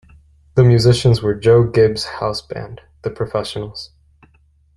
The musicians were Joe Gibbs' house band, The Professionals.